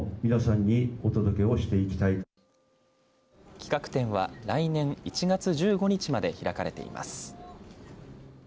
企画展は来年１月１５日まで開かれています。